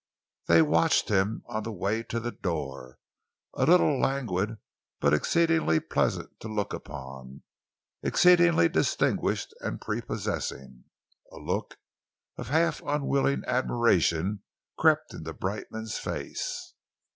They watched him on the way to the door a little languid but exceedingly pleasant to look upon, exceedingly distinguished and prepossessing. A look of half unwilling admiration crept into Brightman's face.